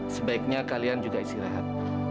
sebaiknya kalian juga istirahat